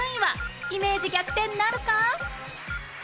イメージ逆転なるか？